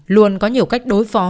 luôn có nhiều cách đối phó